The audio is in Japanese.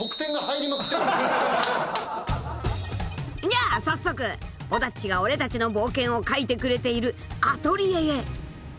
［じゃあ早速尾田っちが俺たちの冒険を描いてくれているアトリエへ］